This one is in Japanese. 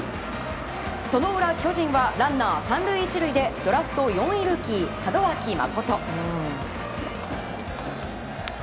その裏巨人はランナー３塁１塁でドラフト４位ルーキー、門脇誠。